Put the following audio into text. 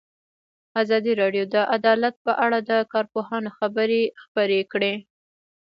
ازادي راډیو د عدالت په اړه د کارپوهانو خبرې خپرې کړي.